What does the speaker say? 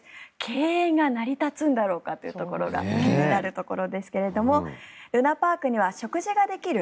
経営が成り立つんだろうかというところが気になるところですがるなぱあくには食事ができる